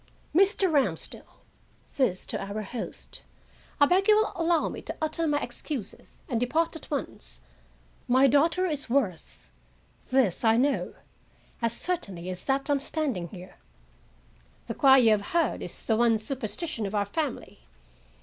Mr. Ramsdell," this to our host, "I beg you will allow me to utter my excuses, and depart at once. My daughter is worse,—this I know, as certainly as that I am standing here. The cry you have heard is the one superstition of our family.